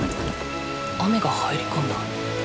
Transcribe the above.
雨が入り込んだ。